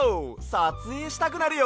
さつえいしたくなるよ！